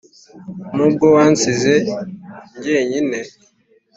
Nubwo wansize njynyine